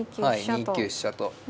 はい２九飛車と。